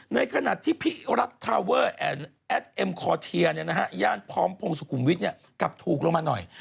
ในขณะที่พี่รัฐทาเวอร์แอดเอ็มคอร์เทียย่านพร้อมพงศุมวิทย์กลับถูกลงมาหน่อย